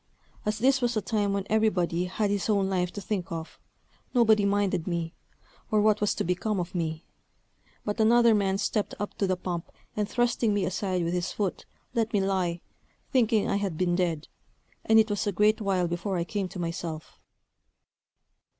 As this was a time when everybody had his own life to think of, nobody minded me, or what was to become of me; but another man stepped up to the pump, and thrusting me aside with his foot, let me lie, thinking I had been dead; and it was a great while before I came to myself.